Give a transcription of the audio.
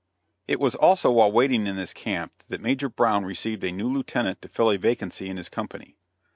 ] It was also while waiting in this camp that Major Brown received a new lieutenant to fill a vacancy in his company.